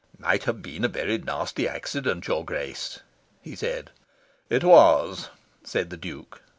"Might have been a very nasty accident, your Grace," he said. "It was," said the Duke.